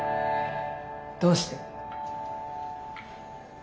どうして？